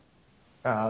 ああ。